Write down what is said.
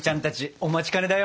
お待ちかねだよ！